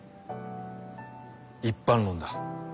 一般論だ。